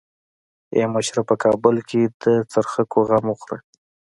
ای مشره په کابل کې د څرخکو غم وخوره.